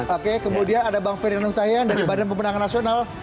oke kemudian ada bang ferdinand hutahian dari badan pemenang nasional